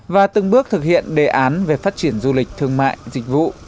và từng bước thực hiện đề án về phát triển du lịch thương mại dịch vụ